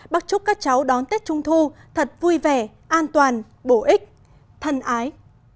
bác chúc các cháu đón tết trung thu thật vui vẻ an toàn bổ ích thân ái